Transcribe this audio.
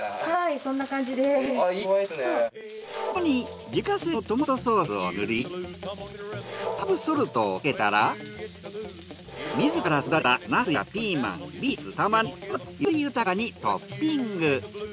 そこに自家製のトマトソースを塗りハーブソルトをかけたら自ら育てたナスやピーマンビーツタマネギトマトを彩り豊かにトッピング。